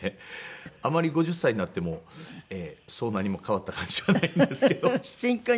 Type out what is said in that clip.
あまり５０歳になってもそう何も変わった感じはないんですけど。